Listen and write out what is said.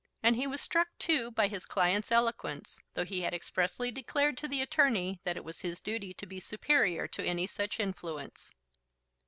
And he was struck, too, by his client's eloquence, though he had expressly declared to the attorney that it was his duty to be superior to any such influence.